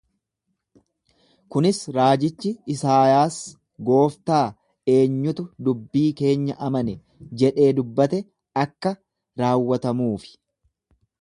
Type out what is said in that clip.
Kunis raajichi Isaayaas, Gooftaa, eenyutu dubbii keenya amane? jedhee dubbate akka raawwatamuufi.